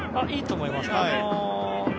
いいと思います。